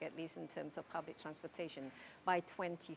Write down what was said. dalam hal transportasi publik